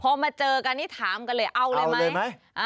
พอมาเจอกันนี่ถามกันเลยเอาเลยไหม